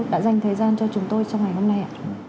đã dành thời gian cho chúng tôi trong ngày hôm nay ạ